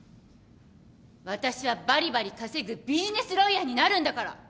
私はばりばり稼ぐビジネスロイヤーになるんだから！